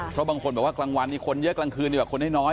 เพราะบางคนบอกว่ากลางวันนี่คนเยอะกลางคืนดีกว่าคนให้น้อย